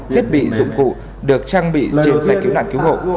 thiết bị dụng cụ được trang bị trên xe cứu nạn cứu hộ